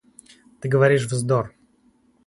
— Ты говоришь вздор.